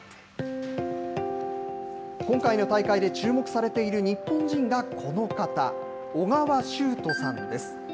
今回の大会で注目されている日本人がこの方、緒川集人さんです。